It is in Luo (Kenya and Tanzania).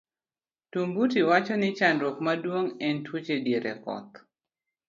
Tumbuti wacho ni chandruok maduong' en tuoche diere koth.